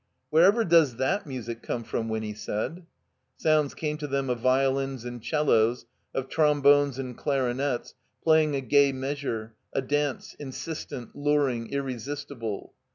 "Wherever does that music come from?" Winny said. Sounds came to them of violins and 'cellos, of trombones and clarinets, playing a gay measure, a dance, insistent, luring, irresistible.